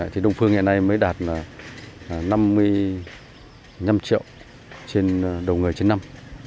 thì đông phương hiện nay mới đạt năm mươi năm triệu trên đầu người trên năm